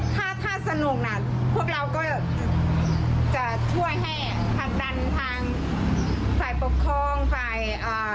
ถ้าถ้าสนุกน่ะพวกเราก็จะช่วยให้ผลักดันทางฝ่ายปกครองฝ่ายอ่า